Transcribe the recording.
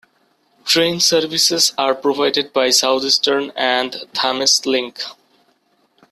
Train services are provided by Southeastern and Thameslink.